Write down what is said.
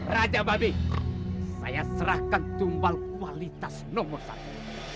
raja babi saya serahkan tumpal kualitas nomor satu